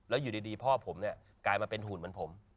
แล้วอยู่ดีพ่อผมเนี่ยกลายมาเป็นหุ่นเหมือนผม